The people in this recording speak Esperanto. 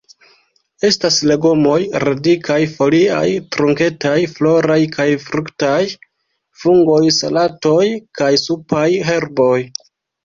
Estas legomoj: radikaj, foliaj, trunketaj, floraj kaj fruktaj; fungoj, salatoj kaj supaj herboj.